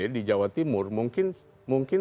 di jawa timur mungkin